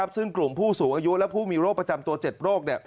ซึ่งกลุ่มผู้สูงอายุและผู้มีโรคประจำตัว๗โรค